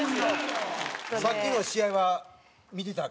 さっきの試合は見てたの？